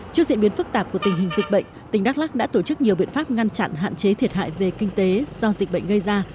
trước diễn biến phức tạp của tình hình dịch bệnh tỉnh đắk lắc đã tổ chức nhiều biện pháp ngăn chặn hạn chế thiệt hại về kinh tế do dịch bệnh gây ra